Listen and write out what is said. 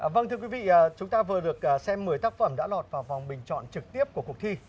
vâng thưa quý vị chúng ta vừa được xem một mươi tác phẩm đã lọt vào vòng bình chọn trực tiếp của cuộc thi